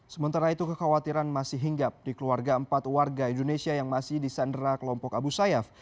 sementara itu kekhawatiran masih hinggap di keluarga empat warga indonesia yang masih di sandera kelompok abu sayyaf